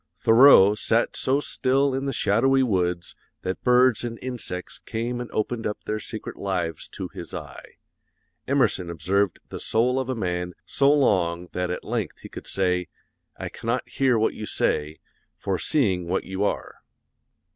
Thoreau sat so still in the shadowy woods that birds and insects came and opened up their secret lives to his eye. Emerson observed the soul of a man so long that at length he could say, 'I cannot hear what you say, for seeing what you are.'